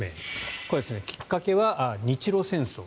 これはきっかけは日露戦争。